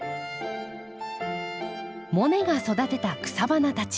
モネが育てた草花たち。